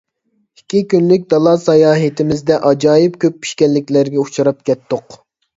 ئىككى كۈنلۈك دالا ساياھىتىمىزدە ئاجايىپ كۆپ پېشكەللىكلەرگە ئۇچراپ كەتتۇق.